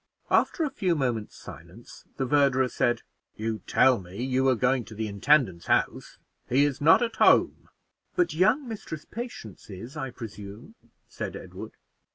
After a few moments' silence, the verderer said, "You tell me you are going to the intendant's house; he is not at home." "But young Mistress Patience is, I presume," said Edward.